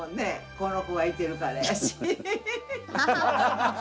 この子がいてるからやし。